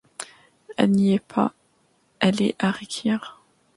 Elle n’y est pas, elle est à Réquillart...